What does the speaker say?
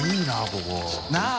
ここ。なぁ！